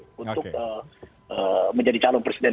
untuk menjadi calon presiden